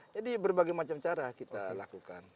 jadi berbagai macam cara kita lakukan